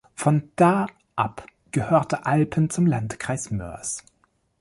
Von da ab gehörte Alpen zum Landkreis Moers.